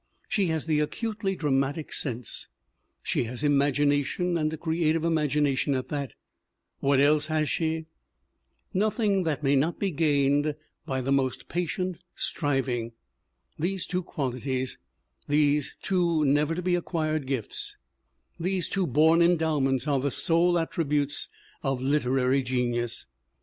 She has the acutely dramatic sense, she has imagination and a creative imagination at that ; what else has she ? Nothing that may not be gained by the most patient striving. These two qualities, these two never to be acquired gifts, these two born endowments are the sole attributes of literary genius.